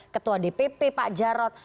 ketua dpp pak jarod